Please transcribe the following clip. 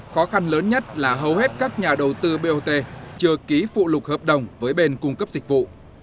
khó khăn lớn nhất là hầu hết các nhà đầu tư bot chưa ký phụ lục hợp đồng với bên cung cấp dịch vụ